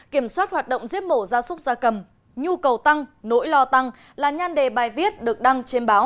kiểm soát hoạt động giếp mổ ra súc ra cầm nhu cầu tăng nỗi lo tăng là nhan đề bài viết được đăng trên báo